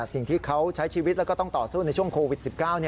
สิ่งที่เขาใช้ชีวิตแล้วก็ต้องต่อสู้ในช่วงโควิด๑๙